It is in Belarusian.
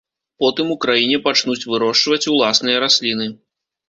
Потым у краіне пачнуць вырошчваць уласныя расліны.